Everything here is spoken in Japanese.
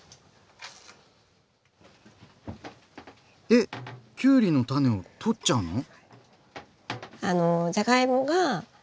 えっきゅうりの種を取っちゃうの？